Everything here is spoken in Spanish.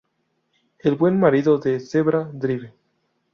El Buen Marido de Zebra Drive.